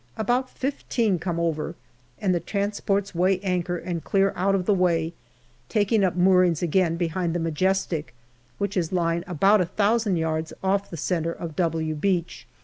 About fifteen come over, and the transports weigh anchor and clear out of the way, taking up moorings again behind the Majestic, which is lying about a thousand yards off the centre of " W " Beach.